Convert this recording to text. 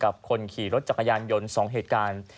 กับคนขี่รถจักรยานยนต์๒เหตุการณ์